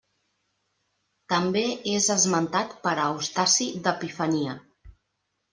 També és esmentat per Eustaci d'Epifania.